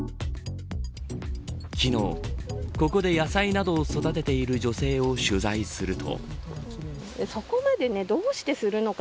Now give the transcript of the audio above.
昨日、ここで野菜などを育てている女性を取材すると。